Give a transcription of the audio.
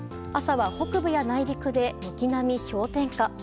朝は北部や内陸で軒並み氷点下。